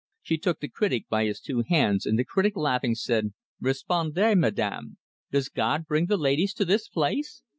She took the critic by his two hands, and the critic, laughing, said: "Respondez, Madame! Does God bring the ladies to this place?"